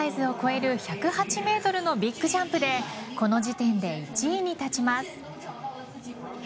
ヒルサイズを越える１０８メートルのビッグジャンプでこの時点で１位に立ちます。